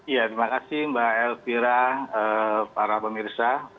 ya terima kasih mbak elvira para pemirsa